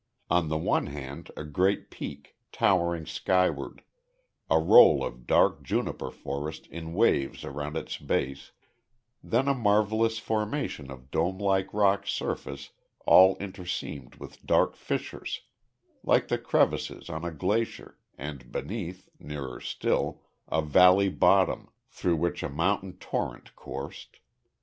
On the one hand a great peak, towering skyward, a roll of dark juniper forest in waves around its base, then a marvellous formation of dome like rock surface all interseamed with dark fissures, like the crevasses on a glacier, and beneath, nearer still, a valley bottom, through which a mountain torrent coursed.